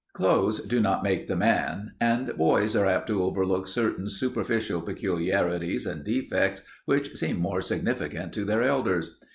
Clothes do not make the man, and boys are apt to overlook certain superficial peculiarities and defects which seem more significant to their elders.